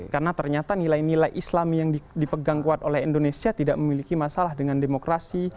karena ternyata nilai nilai islam yang dipegang kuat oleh indonesia tidak memiliki masalah dengan demokrasi